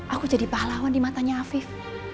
aku jadi pahlawan di matanya afif